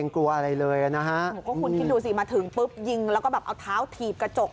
คิดดูสิมาถึงปุ๊บยิงแล้วก็แบบเอาเท้าถีบกระจก